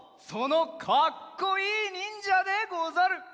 そのかっこいいにんじゃでござる！